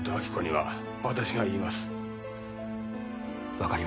分かりました。